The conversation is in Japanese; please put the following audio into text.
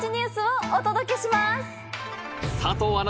佐藤アナ